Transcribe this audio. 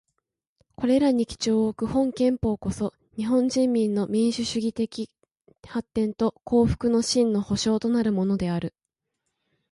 これらに基調をおく本憲法こそ、日本人民の民主主義的発展と幸福の真の保障となるものである。